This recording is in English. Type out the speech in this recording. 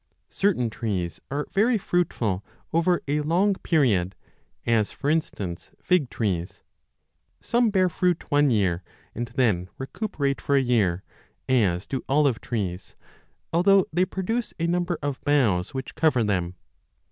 Certain trees are very fruitful over a long period, as, for instance, fig trees. Some 15 bear fruit one year and then recuperate for a year, as do olive trees, although they produce a number of boughs which cover them.